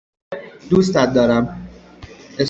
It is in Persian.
دوستت دارم.